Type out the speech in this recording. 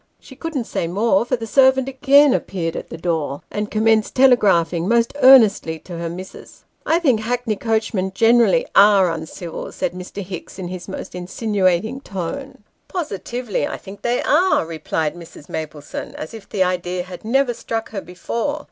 She couldn't say more, for the servant again appeared at the door, and commenced telegraphing most earnestly to her " Missis." " I think hackney coachmen generally are uncivil," said Mr. Hicks in his most insinuating tone. "Positively I think they are," replied Mrs. Maplesone, as if the idea had never struck her before.